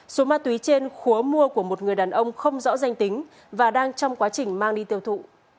số ma túy trên khốa mua của một người đàn ông không rõ danh tính và đang trong quá trình mang đi tiêu thụ